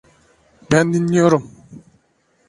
Ben dinliyorum.